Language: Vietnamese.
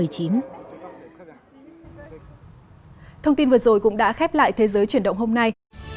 thông tin vừa rồi cũng đã khép lại thế giới chuyển động hôm nay